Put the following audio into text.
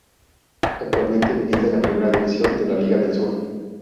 Actualmente milita en la primera división de la Liga del Sur.